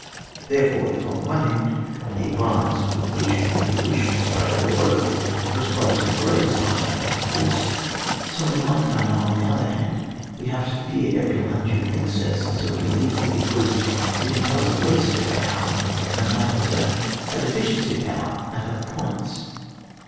Therefore, if on the one hand, the vio lence with which we wish to strike the blow prescribes the greatest concentration of force, BO in like manner, on the other hand, we have to fear eveiy undue excess as a real evil, because it entails a waste of power, and that in turn a deficiency of power at other points.